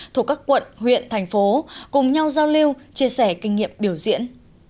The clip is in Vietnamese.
thuộc các quận huyện thành phố cùng nhau giao lưu chia sẻ kinh nghiệm biểu diễn